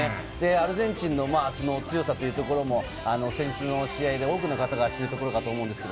アルゼンチンの強さというところも先日の試合で多くの方が知ったと思います。